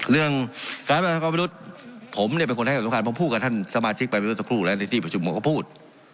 เรื่องกราฟการบริษัทของวินุธ